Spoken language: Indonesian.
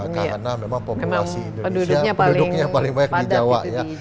karena memang populasi indonesia penduduknya paling banyak di jawa ya